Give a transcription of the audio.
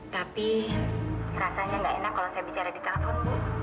tapi rasanya nggak enak kalau saya bicara di kampung bu